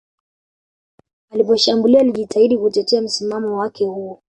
Aliposhambuliwa alijitahidi kutetea msimamo wake huo